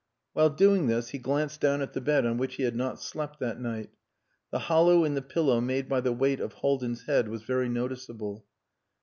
While doing this he glanced down at the bed on which he had not slept that night. The hollow in the pillow made by the weight of Haldin's head was very noticeable.